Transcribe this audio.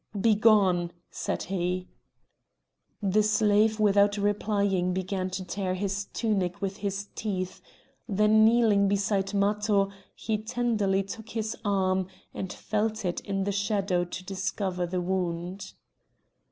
"Begone!" said he. The slave without replying began to tear his tunic with his teeth; then kneeling beside Matho he tenderly took his arm, and felt it in the shadow to discover the wound.